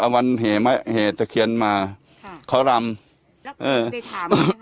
อ่ะวันเหมาะเหตะเคียนมาค่ะเขารำเออได้ถามไหมคะ